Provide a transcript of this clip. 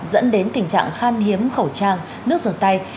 dẫn đến tình trạng khan hiếm khẩu trang nước rửa tay